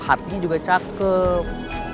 hatinya juga cakep